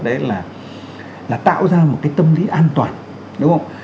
đấy là tạo ra một cái tâm lý an toàn đúng không